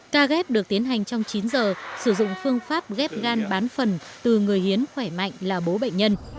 ca ghép được tiến hành trong chín giờ sử dụng phương pháp ghép gan bán phần từ người hiến khỏe mạnh là bố bệnh nhân